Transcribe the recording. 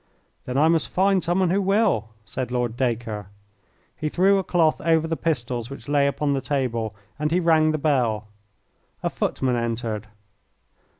"Then I must find someone who will," said Lord Dacre. He threw a cloth over the pistols which lay upon the table, and he rang the bell. A footman entered.